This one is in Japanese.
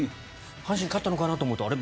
阪神勝ったのかなと思ったらあれ？